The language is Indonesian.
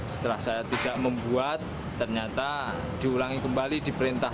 setelah saya tidak membuat ternyata diulangi kembali di perintah